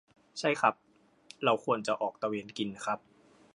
ใช่ครับ เราควรจะออกตระเวนกินครับ